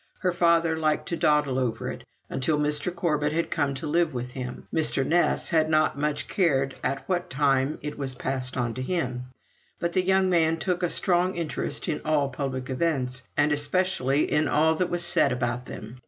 Her father liked to dawdle over it. Until Mr. Corbet had come to live with him, Mr. Ness had not much cared at what time it was passed on to him; but the young man took a strong interest in all public events, and especially in all that was said about them.